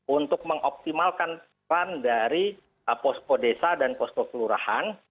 untuk mengoptimalkan peran dari posko desa dan posko kelurahan